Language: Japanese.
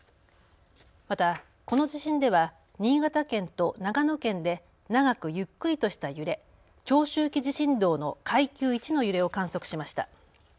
またこの地震では新潟県と長野県で長くゆっくりとした揺れ、長周期地震動の階級１の揺れを観測しました。